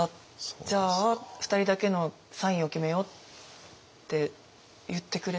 じゃあ２人だけのサインを決めよう」って言ってくれて。